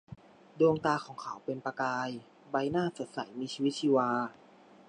ดวงตาของเขาเป็นประกาย ใบหน้าสดใสมีชีวิตชีวา